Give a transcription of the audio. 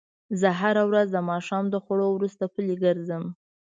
زه هره ورځ د ماښام د خوړو وروسته پلۍ ګرځم